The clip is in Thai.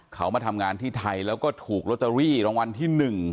เขามาทำงานที่ไทยแล้วก็ถูกลอตเตอรี่รางวัลที่๑